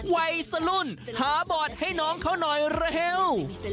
ไวสลุนหาบอร์ดให้น้องเขาน้อยเร็ว